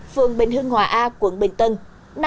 phường bình hưng hòa a quận bình tân